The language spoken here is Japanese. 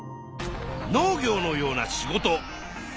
農業のような仕事。